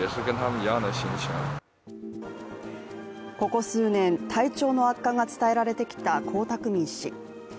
ここ数年、体調の悪化が伝えられてきた江沢民氏。